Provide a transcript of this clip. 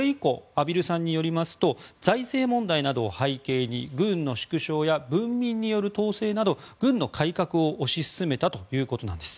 それ以降、畔蒜さんによりますと財政問題などを背景に軍の縮小や文民による統制など軍の改革を推し進めたということなんです。